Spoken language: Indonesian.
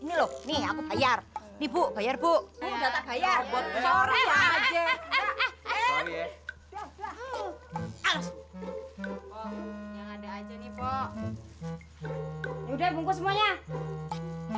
ini ga bakal jaman